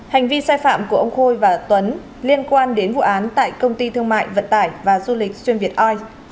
hành vi sai phạm của ông khôi và tuấn liên quan đến vụ án tại công ty thương mại vận tải và du lịch xuyên việt oi